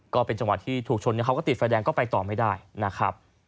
ก็เป็นจังหวะที่ถูกชนเขาก็ติดไฟแดงก็ไปต่อไม่ได้นะครับ